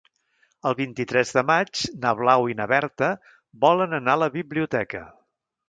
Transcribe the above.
El vint-i-tres de maig na Blau i na Berta volen anar a la biblioteca.